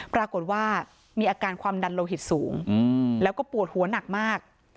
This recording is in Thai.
ปรากฏว่ามีอาการความดันโลหิตสูงแล้วก็ปวดหัวหนักมาก